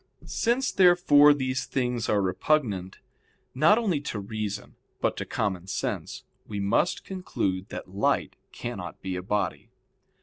Since, therefore, these things are repugnant, not only to reason, but to common sense, we must conclude that light cannot be a body.